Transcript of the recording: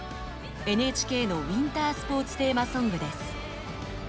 ＮＨＫのウィンタースポーツテーマソングです。